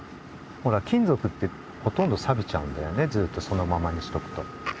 金属ってほとんどサビちゃうんだよねずっとそのままにしておくと。